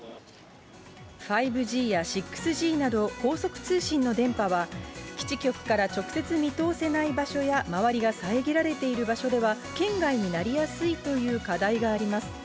５Ｇや６Ｇなど高速通信の電波は、基地局から直接見通せない場所や、周りが遮られている場所では圏外になりやすいという課題があります。